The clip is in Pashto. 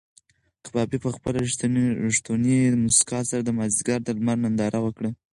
کبابي په خپله رښتونې موسکا سره د مازدیګر د لمر ننداره وکړه.